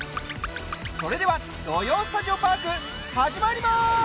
それでは「土曜スタジオパーク」始まります！